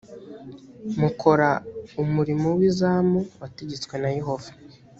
mukora umurimo w izamu wategetswe na yehova